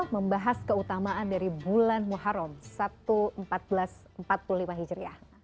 membahas keutamaan dari bulan muharram seribu empat ratus empat puluh lima hijriah